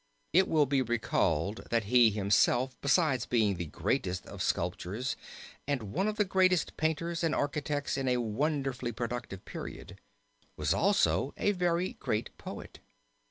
It will be recalled that he himself, besides being the greatest of sculptors and one of the greatest of painters and architects in a wonderfully productive period, was also a very great poet.